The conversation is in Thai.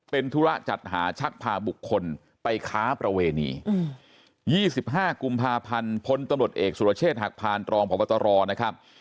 เป็นธุระจัดหาชักพาบุคคลไปค้าประเวณี๒๕กุมภาพันธ์พลตำรวจเอกสุรเชษฐหักพานรองพบตรนะครับ